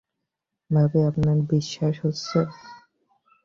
ভাবি, আপনার বিশ্বাস হচ্ছে?